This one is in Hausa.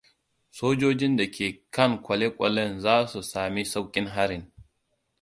Sojojin da ke kan kwale-kwalen za su sami saukin harin.